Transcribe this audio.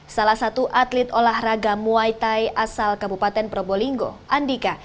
salah satu atlet olahraga muay thai asal kabupaten probolinggo andika